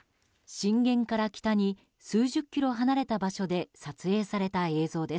震源から北に数十キロ離れた場所で撮影された映像です。